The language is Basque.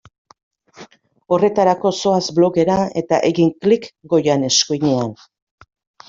Horretarako zoaz blogera eta egin klik goian eskuinean.